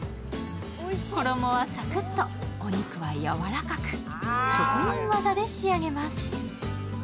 衣はさくっと、お肉はやわらかく、職人技で仕上げます。